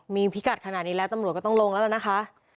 มีพิกัดขนาดนี้แล้วตำรวจก็ต้องลงแล้วนะคะ